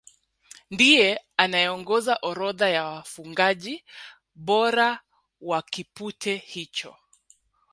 Ndiye anayeongoza orodha ya wafungaji bora wa kipute hicho